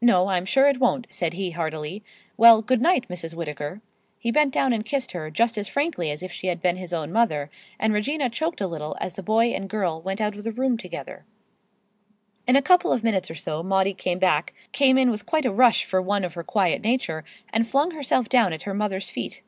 "No, I'm sure it won't," said he heartily. "Well, good night, Mrs. Whittaker." He bent down and kissed her just as frankly as if she had been his own mother, and Regina choked a little as the boy and girl went out of the room together. In a couple of minutes or so Maudie came back, came in with quite a rush for one of her quiet nature, and flung herself down at her mother's feet.